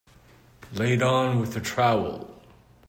Laid on with a trowel